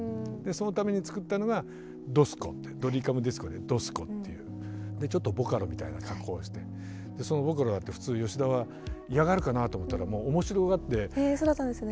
そのために作ったのが「ＤＯＳＣＯ」ってドリカムディスコでＤＯＳＣＯっていうちょっとボカロみたいな加工をしてそのボカロだって普通吉田は嫌がるかなと思ったらもう面白がって。へそうだったんですね。